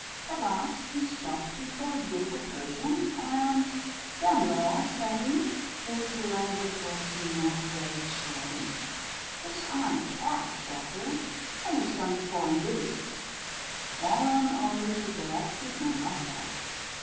At last he stopped before a beautiful Persian, and, "D n it all," said he his language was not very choice "these aren't cats, Doctor they are some foreign beasts." "Foreign only to bad treatment," I said.